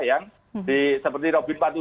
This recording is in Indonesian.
yang seperti robin empat puluh tujuh